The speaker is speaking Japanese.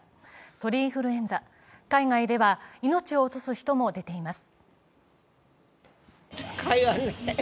鳥インフルエンザ、海外では命を落とす人も出ています。